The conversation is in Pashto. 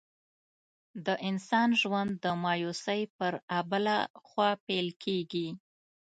د انسان ژوند د مایوسۍ پر آبله خوا پیل کېږي.